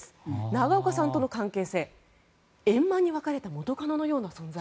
長岡さんとの関係性円満に分かれた元カノのような存在。